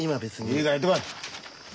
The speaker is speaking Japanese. いいから行ってこい！